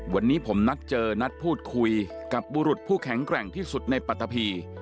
วันนี้ผมนัดเจอนัดพูดคุยกับบุรุษผู้แข็งแกร่งที่สุดในปัตตะพี